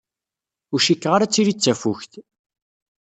Ur cikkeɣ ara ad tili d tafukt.